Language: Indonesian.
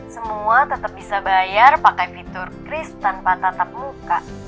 semua tetap bisa bayar pakai fitur kris tanpa tatap muka